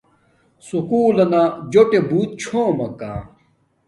سکُول لنا جوٹے بوت چھومکا